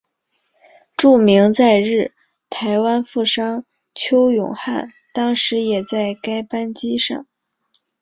著名在日台湾富商邱永汉当时也在该班机上。